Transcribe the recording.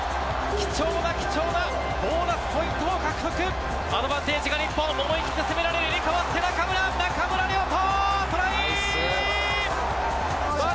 貴重な貴重なボーナスポイントを獲得、アドバンテージが日本思い切って攻められる、中村亮土！